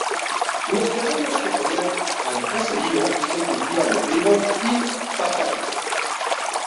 Los terrenos que rodean al caserío se cultivan de trigo y patatas.